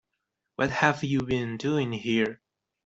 What have you been doing here?